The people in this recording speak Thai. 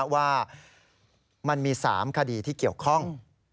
ว่ามันมี๓คดีที่เกี่ยวข้อง